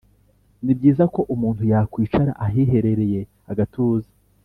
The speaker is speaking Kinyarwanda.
Ni byiza ko umuntu yakwicara ahiherereye agatuza,